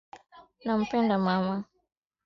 ugonjwa wa kisukari unaweza kusababisha matatizo ya neva